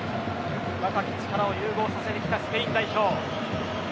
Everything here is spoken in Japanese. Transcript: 若き力を融合させてきたスペイン代表。